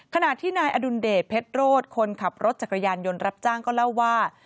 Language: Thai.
ขณะที่นายอดุลเดชเพชรโรธคนขับรถจักรยานยนต์รับจ้างก็เล่าว่า